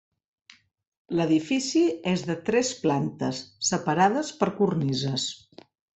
L'edifici és de tres plantes separades per cornises.